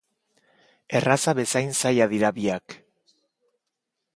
Erraza bezain zaila dira biak.